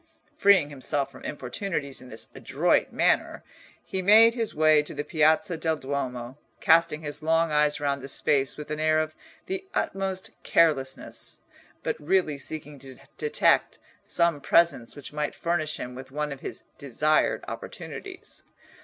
Freeing himself from importunities in this adroit manner, he made his way to the Piazza del Duomo, casting his long eyes round the space with an air of the utmost carelessness, but really seeking to detect some presence which might furnish him with one of his desired opportunities.